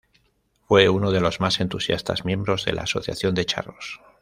Fue uno de los más entusiastas miembros de la Asociación de Charros.